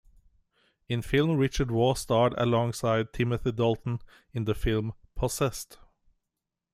In film Richard Waugh starred alongside Timothy Dalton in the film "Possessed".